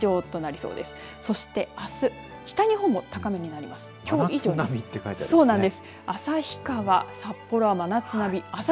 そして、あす北日本も高めになります。